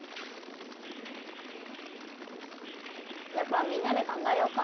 やっぱみんなで考えようか。